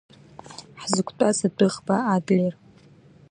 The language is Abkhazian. Ҳзықәтәаз адәыӷба Адлер…